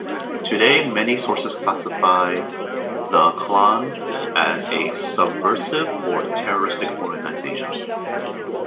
Today, many sources classify the Klan as a "subversive or terrorist organization".